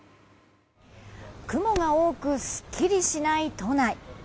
雲が多くすっきりしない都内。